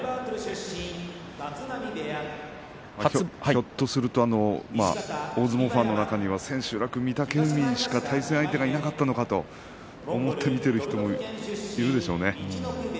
ひょっとすると大相撲ファンの中には千秋楽、御嶽海しか対戦相手がいなかったのかと思って見ている人もいるでしょうね。